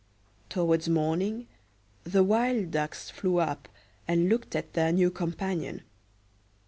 Towards morning the wild ducks flew up, and looked at their new companion.